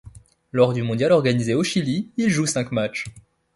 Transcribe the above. Lors du mondial organisé au Chili, il joue cinq matchs.